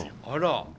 あら！